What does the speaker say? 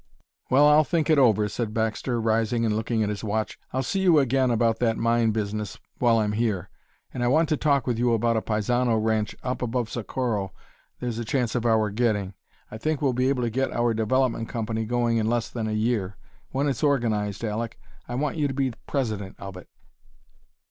"Well, I'll think it over," said Baxter, rising and looking at his watch. "I'll see you again about that mine business, while I'm here, and I want to talk with you about a paisano ranch, up above Socorro, there's a chance of our getting. I think we'll be able to get our development company going in less than a year. When it's organized, Aleck, I want you to be president of it."